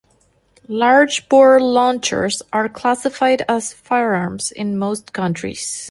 Large-bore launchers are classified as firearms in most countries.